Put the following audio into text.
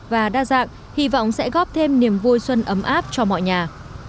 và đa dạng hy vọng sẽ góp thêm niềm vui xuân ấm áp cho mọi nhà